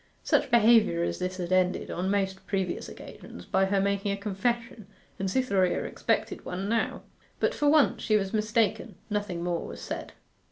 Such behaviour as this had ended, on most previous occasions, by her making a confession, and Cytherea expected one now. But for once she was mistaken, nothing more was said.